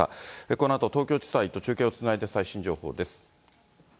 このあと東京地裁と中継をつないで最新情報です。